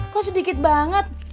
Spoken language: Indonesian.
kok sedikit banget